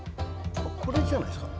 これじゃないですか？